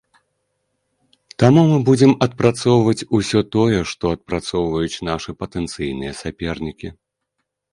Таму мы будзем адпрацоўваць усё тое, што адпрацоўваюць нашы патэнцыйныя сапернікі.